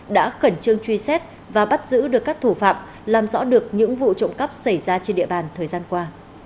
đã khẩn trương truy xét và bắt giữ được các thủ phạm làm rõ được những vụ trộm cắp xảy ra trên địa bàn thời gian qua